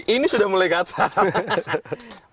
ini sudah mulai gatel